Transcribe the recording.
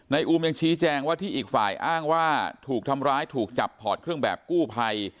อูมยังชี้แจงว่าที่อีกฝ่ายอ้างว่าถูกทำร้ายถูกจับถอดเครื่องแบบกู้ภัย